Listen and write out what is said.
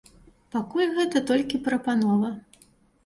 Пакуль гэта толькі прапанова.